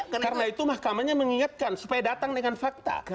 karena itu mahkamahnya mengingatkan supaya datang dengan fakta